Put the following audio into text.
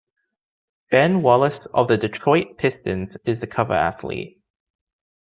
Ben Wallace of the Detroit Pistons is the cover athlete.